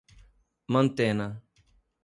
Mantena